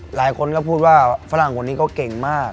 หลายคนก็พูดว่าฝรั่งคนนี้ก็เก่งมาก